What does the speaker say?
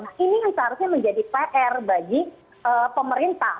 nah ini yang seharusnya menjadi pr bagi pemerintah